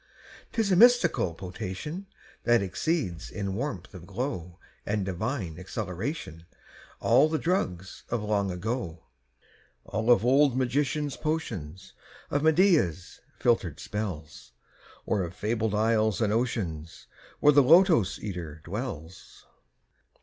'Tis a mystical potation That exceeds in warmth of glow And divine exhilaration All the drugs of long ago All of old magicians' potions Of Medea's filtered spells Or of fabled isles and oceans Where the Lotos eater dwells!